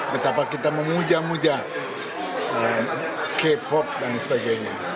betapa kita memuja muja k pop dan sebagainya